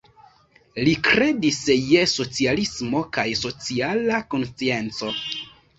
Li kredis je socialismo kaj sociala konscienco.